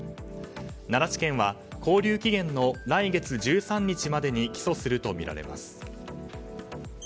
奈良地検は勾留期限の来月１３日までに起訴するとみられます。